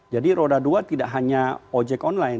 jadi roda dua tidak hanya ojek online